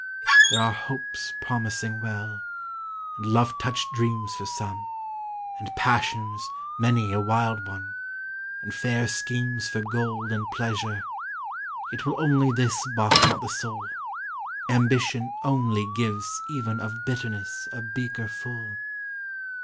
There are hopes Promising well; and love touched dreams for some; And passions, many a wild one; and fair schemes For gold and pleasure yet will only this Balk not the soul Ambition, only, gives, Even of bitterness, a beaker full!